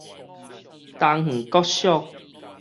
東園國小